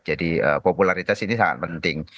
jadi popularitas ini sangat penting